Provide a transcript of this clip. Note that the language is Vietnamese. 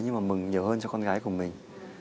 nhưng mà mừng nhiều hơn cho con gái của mình